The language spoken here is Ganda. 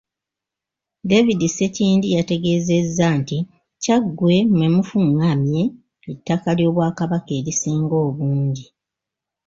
David Sekindi yategeezezza nti Kyaggwe mwe mufungamye ettaka ly'Obwakabaka erisinga obungi.